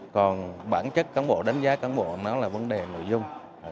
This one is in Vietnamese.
còn bản chất cán bộ đánh giá cán bộ nó là vấn đề nội dung